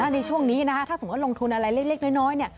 ในช่วงนี้นะคะถ้าสมมุติลงทุนอะไรเล็กน้อยเนี่ย